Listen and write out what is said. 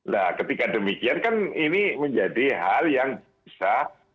nah ketika demikian kan ini menjadi hal yang bisa